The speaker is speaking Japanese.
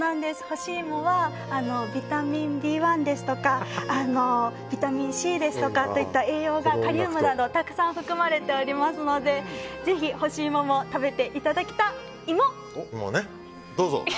干し芋はビタミンＢ１ですとかビタミンＣといった栄養がカリウムなどもたくさん含まれていますのでぜひ、干し芋も食べていただきたいも！